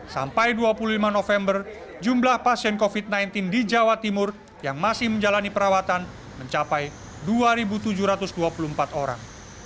sampai dua puluh lima november jumlah pasien covid sembilan belas di jawa timur yang masih menjalani perawatan mencapai dua tujuh ratus dua puluh empat orang